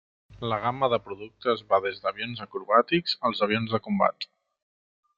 La gamma de productes va des d'avions acrobàtics als avions de combat.